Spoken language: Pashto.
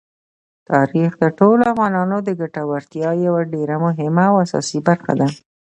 تاریخ د ټولو افغانانو د ګټورتیا یوه ډېره مهمه او اساسي برخه ده.